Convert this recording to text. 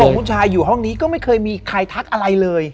ผู้ชายอยู่ห้องนี้ก็ไม่เคยมีใครทักอะไรเลย